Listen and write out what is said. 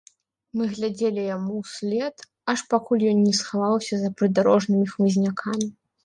Мы глядзелі яму ўслед, аж пакуль ён не схаваўся за прыдарожнымі хмызнякамі.